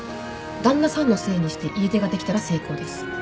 旦那さんのせいにして家出ができたら成功です